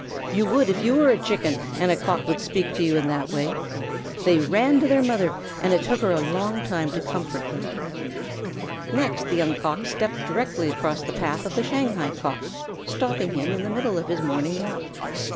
You would if you were a Chicken and a Cock should speak to you in that way. They ran to their mother, and it took her a long time to comfort them. Next the Young Cock stepped directly across the path of the Shanghai Cock, stopping him in his morning walk.